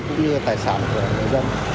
cũng như tài sản của người dân